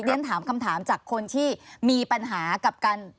เรียนถามคำถามจากคนที่มีปัญหากับการ